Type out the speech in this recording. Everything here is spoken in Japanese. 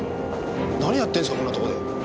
何やってんですかこんなとこで。